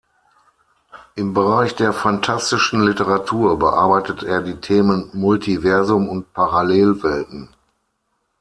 Im Bereich der phantastischen Literatur, bearbeitet er die Themen Multiversum und Parallelwelten.